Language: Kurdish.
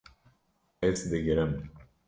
Ez digirim